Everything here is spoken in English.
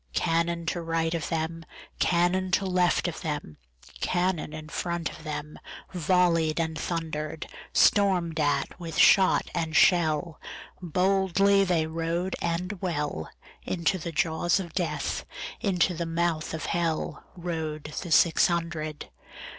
Cannon to right of them, Cannon to left of them, Cannon in front of themVolley'd and thunder'd; Storm'd at with shot and shell, Boldly they rode and well, Into the jaws of Death, Into the mouth of HellRode the six hundred.